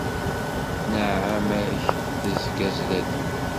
Nneɛma-k tezga zdat-i.